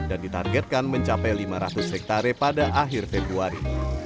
dan ditargetkan mencapai lima ratus hektare pada akhir februari